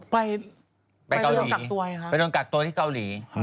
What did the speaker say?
ไปเกาหลีไปโดนกักตัวที่เกาหลี